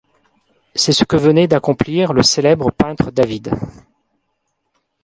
C'est ce que venait d'accomplir le célèbre peintre David.